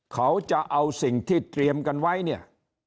เขาจะเอาสิ่งที่เตรียมกันไว้เนี่ย